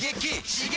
刺激！